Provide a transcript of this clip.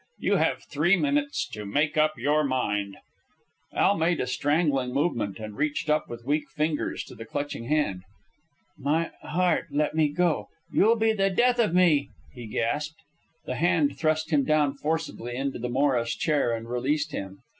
You have three minutes to make up your mind." Al made a strangling movement, and reached up with weak fingers to the clutching hand. "My heart... let me go... you'll be the death of me," he gasped. The hand thrust him down forcibly into the Morris chair and released him.